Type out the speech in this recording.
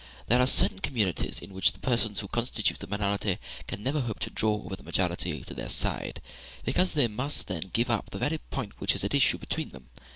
There are certain communities in which the persons who constitute the minority can never hope to draw over the majority to their side, because they must then give up the very point which is at issue between them.